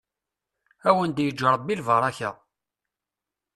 Ad awen-d-yeǧǧ ṛebbi lbaṛaka.